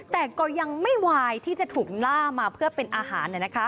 แต่ก็ยังไม่วายที่จะถูกล่ามาเพื่อเป็นอาหาร